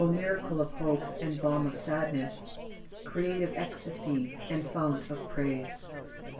miracle of hope, and balm of sadness ! Creative ecstasy and fount of praise